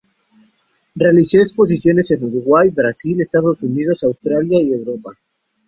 Realizó exposiciones en Uruguay, Brasil, Estados Unidos, Australia y Europa.